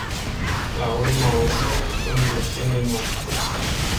La urma urmei, sunt vecinii noștri.